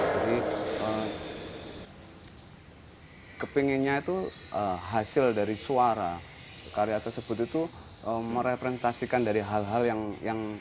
jadi kepinginannya itu hasil dari suara karya tersebut itu merepresentasikan dari hal hal yang